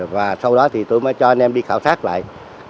và sau đó thì tôi mới cho anh em đi khảo sát lại